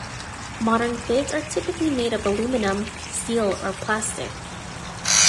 Modern fids are typically made of aluminum, steel, or plastic.